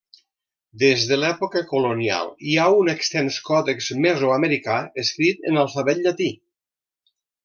Des de l'època colonial hi ha un extens còdex mesoamericà escrit en alfabet llatí.